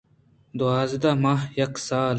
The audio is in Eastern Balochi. دْوازدہ ماہ یک سال